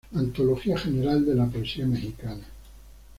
Antología General de la Poesía Mexicana.